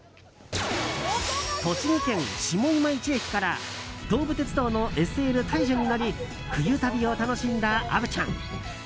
栃木県下今市駅から東武鉄道の「ＳＬ大樹」に乗り冬旅を楽しんだ虻ちゃん。